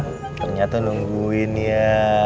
ternyata nungguin ya